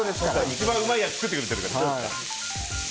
一番うまいやつ作ってくれてるから。